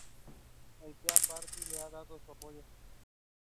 It is the first song by Noah that has English lyrics.